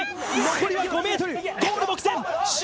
残りは５ｍゴール目前！